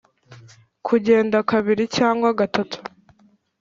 kugenda kabiri cyangwa gatatu